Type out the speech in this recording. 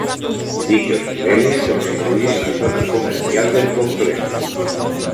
Dichos niveles constituyen la zona comercial del complejo.